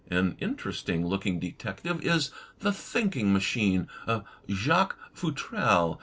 An interesting looking detective is "The Thinking Ma chine" of Jacques Futrelle.